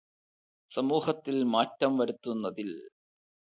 സമൂഹത്തിൽ മാറ്റം വരുത്തുന്നതിൽ.